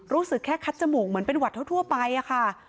รู้สึกแค่คัดจมูกเหมือนเป็นหวัดทั่วไปอะค่ะ